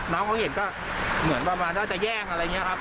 น้องเขาเห็นก็เหมือนว่ามันจะแย่งอะไรอย่างเงี้ยครับ